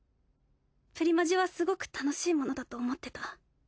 プリマジはすごく楽しいものだと思ってた。